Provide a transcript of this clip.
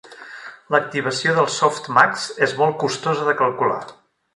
L'activació de softmax és molt costosa de calcular.